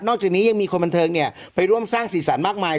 จากนี้ยังมีคนบันเทิงเนี่ยไปร่วมสร้างสีสันมากมาย